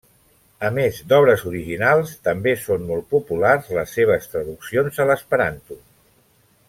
A més d'obres originals, també són molt populars les seves traduccions a l'esperanto.